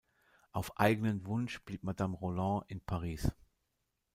Auf eigenen Wunsch blieb Madame Roland in Paris.